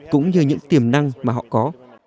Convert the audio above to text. cũng như những tiềm năng mà họ có